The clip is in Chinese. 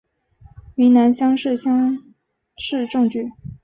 云南乡试乡试中举。